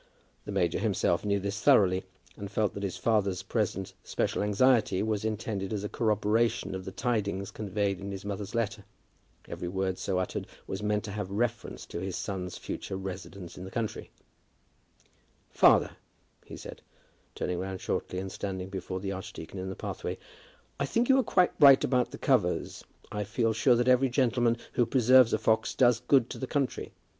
The major himself knew this thoroughly, and felt that his father's present special anxiety was intended as a corroboration of the tidings conveyed in his mother's letter. Every word so uttered was meant to have reference to his son's future residence in the country. "Father," he said, turning round shortly, and standing before the archdeacon in the pathway, "I think you are quite right about the covers. I feel sure that every gentleman who preserves a fox does good to the country.